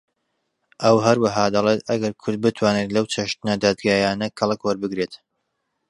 ئەو هەروەها دەڵێت ئەگەر کورد بتوانێت لەو چەشنە دادگایانە کەڵک وەربگرێت